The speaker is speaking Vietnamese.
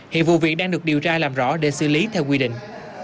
hiện vụ việc đang được điều tra làm rõ để xử lý theo quy định